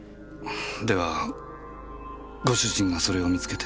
ではご主人がそれを見つけて？